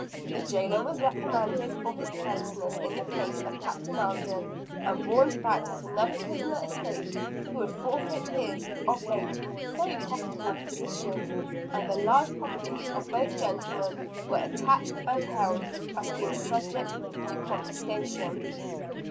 The jailer was reprimanded for his carelessness in the case of Captain Alden, and warned that if another prisoner escaped, he would forfeit his, of late, very profitable position. And the large properties of both gentlemen were attached and held as being subject to confiscation.